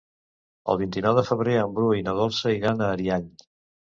El vint-i-nou de febrer en Bru i na Dolça iran a Ariany.